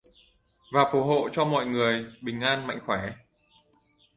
và phù hộ cho mọi người bình an mạnh khỏe